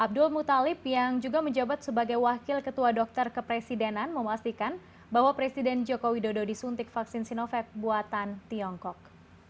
abdul mutalib yang juga menjabat sebagai wakil ketua dokter kepresidenan memastikan bahwa presiden joko widodo disuntik vaksin sinovac buatan tiongkok